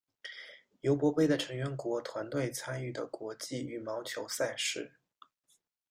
尤伯杯的成员国团队参与的国际羽毛球赛事。